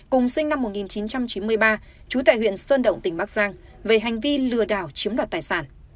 cùng sinh năm một nghìn chín trăm chín mươi ba trú tại huyện sơn động tỉnh bắc giang về hành vi lừa đảo chiếm đoạt tài sản